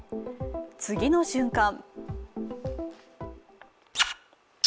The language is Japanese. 次の瞬間